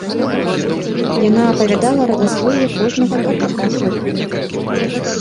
Яна апавядала радаслоўе кожнага ката паасобку.